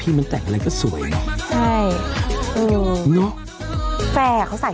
พี่มันแต่งอะไรก็สวยเนาะ